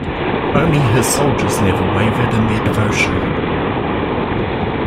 Only his soldiers never wavered in their devotion.